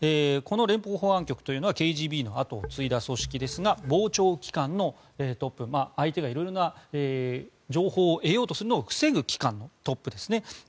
この連邦保安局というのはＫＧＢの後を継いだ組織ですが防諜機関のトップ、相手が色々な情報を得ようとするのを防ぐ機関のトップですね。